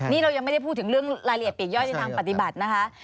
นี่เรายังไม่ได้พูดถึงเรื่องรายละเอียดปีกย่อยในทางปฏิบัตินะคะ